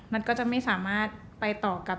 มันก็จะไม่สามารถไปต่อกับ